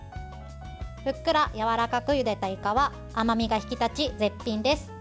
ふっくらやわらかくゆでたいかは甘みが引き立ち絶品です。